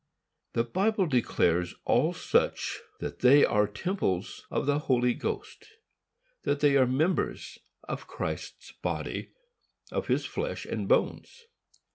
The Bible declares of all such that they are temples of the Holy Ghost; that they are members of Christ's body, of his flesh and bones.